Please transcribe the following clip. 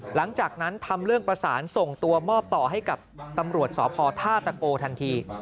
หลังจากนั้นทำเรื่องประสานส่งตัวมอบต่อให้กับตำรวจสพท่าตะโกทันที